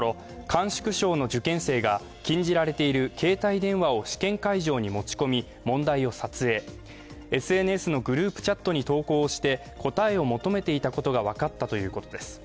甘粛省の受験生が禁じられている携帯電話を試験会場に持ち込み、問題を撮影、ＳＮＳのグループチャットに投稿して答えを求めていたことが分かったということです。